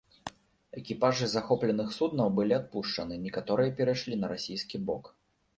Экіпажы захопленых суднаў былі адпушчаны, некаторыя перайшлі на расійскі бок.